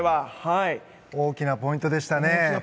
大きなポイントでしたね。